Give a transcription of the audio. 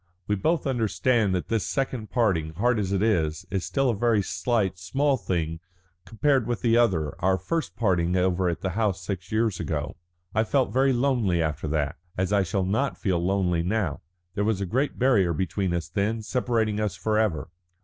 We both understand that this second parting, hard as it is, is still a very slight, small thing compared with the other, our first parting over at the house six years ago. I felt very lonely after that, as I shall not feel lonely now. There was a great barrier between us then separating us forever.